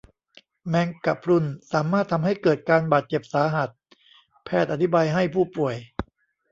แมงกะพรุนสามารถทำให้เกิดการบาดเจ็บสาหัสแพทย์อธิบายให้ผู้ป่วย